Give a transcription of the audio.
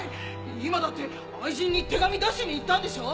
今だって愛人に手紙出しに行ったんでしょ！